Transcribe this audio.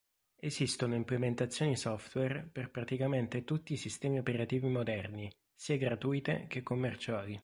Esistono implementazioni software per praticamente tutti i sistemi operativi moderni, sia gratuite che commerciali.